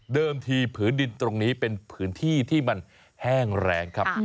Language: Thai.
ทีผืนดินตรงนี้เป็นพื้นที่ที่มันแห้งแรงครับ